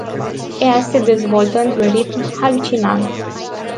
Ea se dezvoltă într-un ritm halucinant.